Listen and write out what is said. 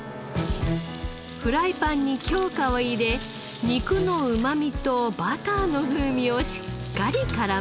フライパンに京香を入れ肉のうまみとバターの風味をしっかり絡めます。